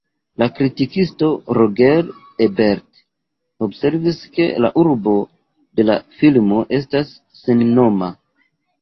La kritikisto Roger Ebert observis ke la urbo de la filmo estas sennoma.